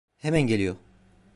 Hemen geliyor.